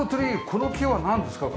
この木はなんですか？